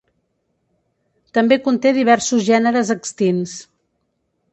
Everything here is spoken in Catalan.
També conté diversos gèneres extints.